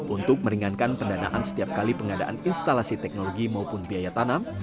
untuk meringankan pendanaan setiap kali pengadaan instalasi teknologi maupun biaya tanam